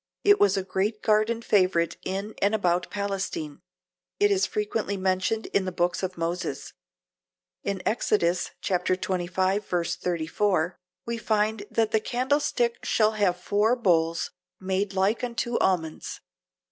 It was a great garden favorite in and about Palestine. It is frequently mentioned in the books of Moses. In Exodus 25:34, we find that the "candlestick shall have four bowls made like unto almonds."